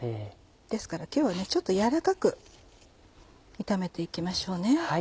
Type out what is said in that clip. ですから今日はちょっと軟らかく炒めて行きましょうね。